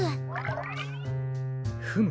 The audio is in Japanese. フム。